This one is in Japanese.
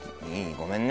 ごめんね。